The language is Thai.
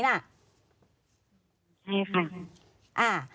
ใช่ค่ะ